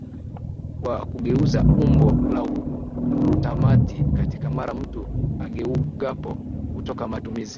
wa kugeuza umbo la glutamati katika Mara mtu ageukapo kutoka matumizi